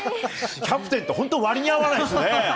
キャプテンって本当に割に合わないですね。